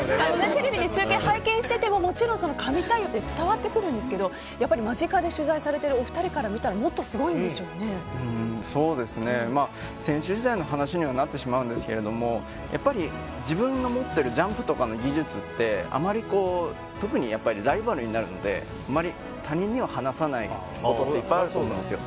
テレビで中継拝見しててももちろんその神対応って伝わってくるんですけど間近で取材されているお二人から見たら選手時代の話にはなってしまうんですけどやっぱり自分が持ってるジャンプとかの技術って特にライバルになるのであまり他人には話さないことっていっぱいあると思うんですよ。